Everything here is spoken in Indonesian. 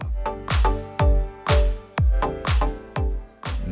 pertanyaan yang paling penting apa yang kita lakukan untuk menjaga kembang jagal